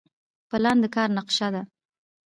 پلان د کار نقشه ده